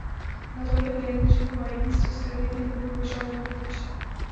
গতকাল থেকে লেনদেন শুরু হওয়া ইভিন্স টেক্সটাইল ইভিন্স গ্রুপের সহযোগী প্রতিষ্ঠান।